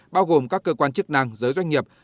bao gồm các cơ quan chức năng giới doanh nghiệp